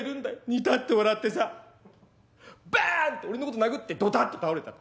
ニタッと笑ってさバンと俺のこと殴ってドタッと倒れた。